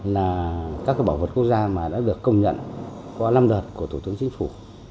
là các bảo vật quốc gia mà đã được công nhận qua năm đợt của thủ tướng chính phủ